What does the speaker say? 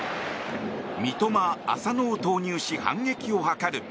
三笘、浅野を投入し反撃を図る。